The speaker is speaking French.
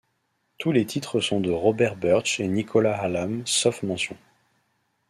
Tous les titres sont de Robert Birch et Nicholas Hallam, sauf mentions.